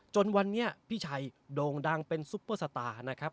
จนวันนี้พี่ชัยโด่งดังเป็นซุปเปอร์สตาร์นะครับ